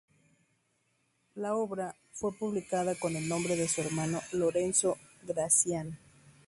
La obra fue publicada con el nombre de su hermano Lorenzo Gracián.